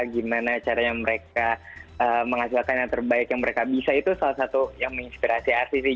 gimana caranya mereka menghasilkan yang terbaik yang mereka bisa itu salah satu yang menginspirasi arsi sih